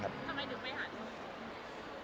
ทำไมถึงไปหาเท่านี้